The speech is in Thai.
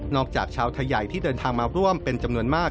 จากชาวไทยใหญ่ที่เดินทางมาร่วมเป็นจำนวนมาก